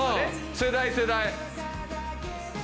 世代世代。